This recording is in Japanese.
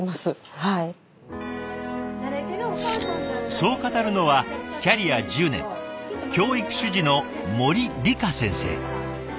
そう語るのはキャリア１０年教育主事の森里香先生。